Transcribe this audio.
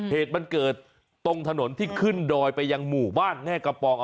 เหตุมันเกิดตรงถนนที่ขึ้นดอยไปยังหมู่บ้านแม่กระปอง